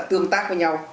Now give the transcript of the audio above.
tương tác với nhau